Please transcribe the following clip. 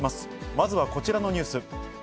まずはこちらのニュース。